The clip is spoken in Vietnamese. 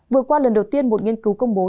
vừa qua lần đầu tiên một nghiên cứu công bố